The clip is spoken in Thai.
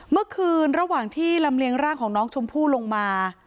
เมื่อคืนระหว่างที่ลำเลียงร่างของน้องชมพู่ลงมา